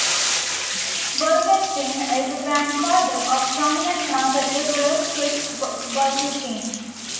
Bolkestein is the grandfather of prominent market liberal Frits Bolkestein.